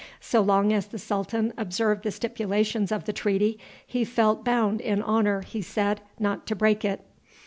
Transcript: So long as the sultan observed the stipulations of the treaty, he felt bound in honor, he said, not to break it.